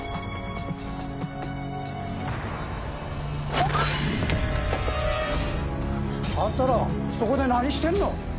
キャッ！あんたらそこで何してるの？